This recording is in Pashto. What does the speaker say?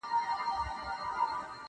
په امان به سي کورونه د پردیو له سپاهیانو٫